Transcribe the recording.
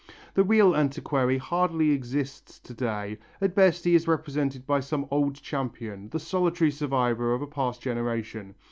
The real antiquary hardly exists to day, at best he is represented by some old champion, the solitary survivor of a past generation.